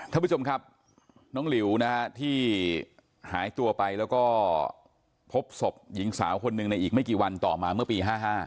ท่านผู้ชมครับน้องหลิวนะฮะที่หายตัวไปแล้วก็พบศพหญิงสาวคนหนึ่งในอีกไม่กี่วันต่อมาเมื่อปี๕๕